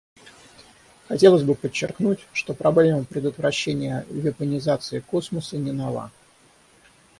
Хотелось бы подчеркнуть, что проблема предотвращения вепонизации космоса не нова.